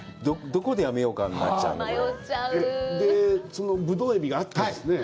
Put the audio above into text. どこでやめようかになっちゃうよね？